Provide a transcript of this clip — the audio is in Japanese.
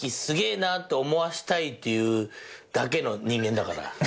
すげえなって思わしたいっていうだけの人間だから。